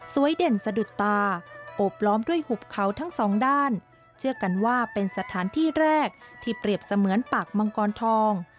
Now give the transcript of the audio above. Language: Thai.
เด่นสะดุดตาโอบล้อมด้วยหุบเขาทั้งสองด้านเชื่อกันว่าเป็นสถานที่แรกที่เปรียบเสมือนปากมังกรทอง